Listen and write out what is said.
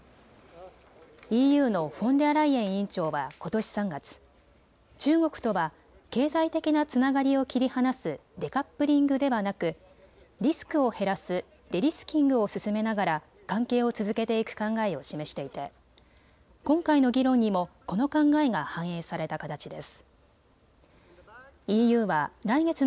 ＥＵのフォンデアライエン委員長はことし３月、中国とは経済的なつながりを切り離すデカップリングではなくリスクを減らすデリスキングを進めながら関係を続けていく考えを示していて今回の議論にもこの考えが反映された形です。